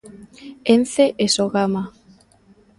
Ence e Sogama.